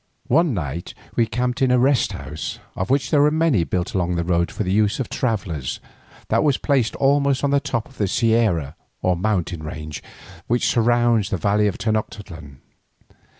One night we camped in a rest house, of which there were many built along the roads for the use of travellers, that was placed almost on the top of the sierra or mountain range which surrounds the valley of Tenoctitlan.